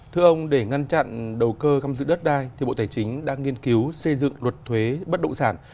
thưa ông để ngăn chặn đầu cơ tham dự đất đai thì bộ tài chính đang nghiên cứu xây dựng luật thuế bất động sản